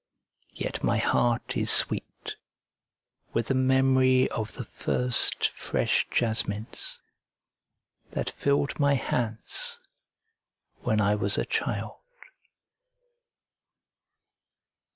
Yet my heart is sweet with the memory of the first fresh jasmines that filled my hands when I was a child.